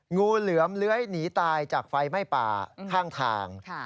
งูเหลือมเลื้อยหนีตายจากไฟไหม้ป่าข้างทาง